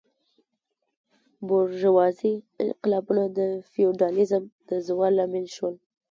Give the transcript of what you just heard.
بورژوازي انقلابونه د فیوډالیزم د زوال لامل شول.